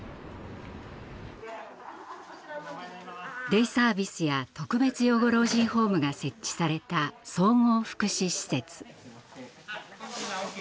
デイサービスや特別養護老人ホームが設置された総合福祉施設。